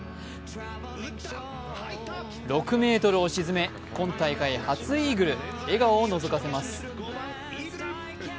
６ｍを沈め今大会初イーグル笑顔をのぞかせます。